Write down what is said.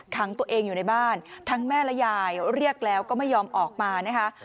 ขังตัวเองอยู่ในบ้านทั้งแม่และยายเรียกแล้วก็ไม่ยอมออกมานะคะ